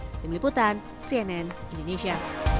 demi liputan cnn indonesia